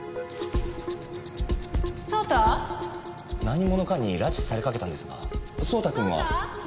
何者かに拉致されかけたんですが蒼太くんは。